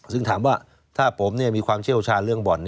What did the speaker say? ซึ่งถามว่าถ้าผมมีความเชี่ยวชาญเรื่องบ่อน